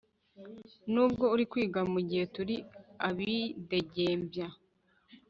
Nubwo uri kugwa mugihe turi abidegemvya